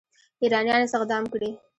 ایرانیان استخدام کړي.